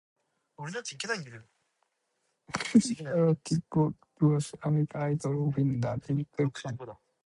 Serletic worked with "American Idol" winner David Cook on his second studio album.